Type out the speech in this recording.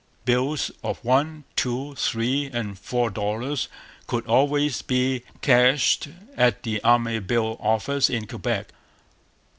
Bills of one, two, three, and four dollars could always be cashed at the Army Bill Office in Quebec.